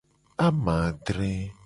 Amangdre.